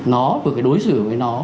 nó được đối xử với nó